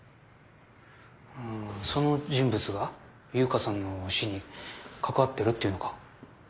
うんその人物が悠香さんの死に関わってるっていうのか？